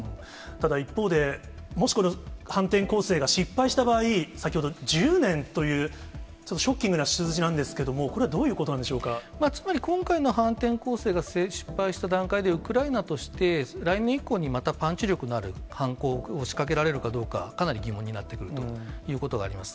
ただ、一方で、もしこの反転攻勢が失敗した場合、先ほど、１０年という、ちょっとショッキングな数字なんですけれども、これはどういうことなんでしょうつまり今回の反転攻勢が失敗した段階で、ウクライナとして、来年以降にまたパンチ力のある反攻を仕掛けられるかどうか、かなり疑問になってくるということがあります。